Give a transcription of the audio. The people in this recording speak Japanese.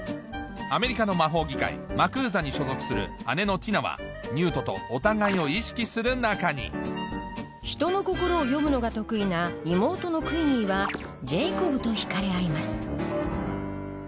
アメリカの魔法議会マクーザに所属する姉のティナはニュートとお互いを意識する仲に人の心を読むのが得意な妹のクイニ−はジェイコブと引かれ合います